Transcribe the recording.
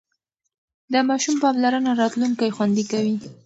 د ماشوم پاملرنه راتلونکی خوندي کوي.